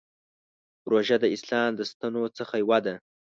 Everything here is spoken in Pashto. روژه د اسلام د ستنو څخه یوه ده.